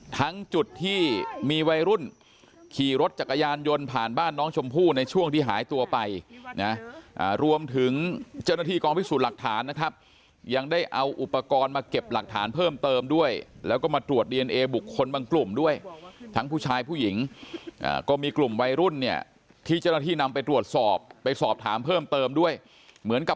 ทั้งจุดที่มีวัยรุ่นขี่รถจักรยานยนต์ผ่านบ้านน้องชมพู่ในช่วงที่หายตัวไปนะรวมถึงเจ้าหน้าที่กองพิสูจน์หลักฐานนะครับยังได้เอาอุปกรณ์มาเก็บหลักฐานเพิ่มเติมด้วยแล้วก็มาตรวจดีเอนเอบุคคลบางกลุ่มด้วยทั้งผู้ชายผู้หญิงก็มีกลุ่มวัยรุ่นเนี่ยที่เจ้าหน้าที่นำไปตรวจสอบไปสอบถามเพิ่มเติมด้วยเหมือนกับ